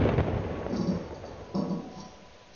باور په ځان باندي د بریا بنسټ دی.